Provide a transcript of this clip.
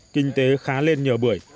kinh tế khá lên nhờ bưởi